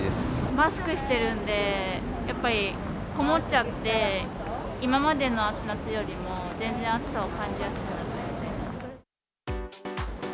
マスクしてるんで、やっぱり籠もっちゃって、今までの夏よりも全然暑さを感じやすくなってますね。